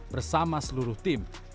bersama seluruh tim